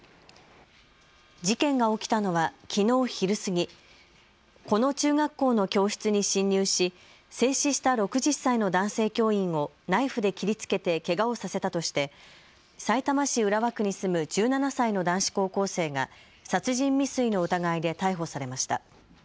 事件が起きたのはきのう昼過ぎ、この中学校の教室に侵入し制止した６０歳の男性教員をナイフで切りつけてけがをさせたとしてさいたま市浦和区に住む１７歳の男子高校生が殺人未遂の疑いで逮捕されました。